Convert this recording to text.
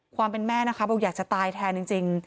ความเป็นแม่นะคะบอกอยากจะตายแทนจริง